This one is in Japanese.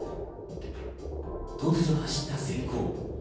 突如走った閃光。